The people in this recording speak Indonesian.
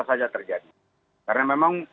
saja terjadi karena memang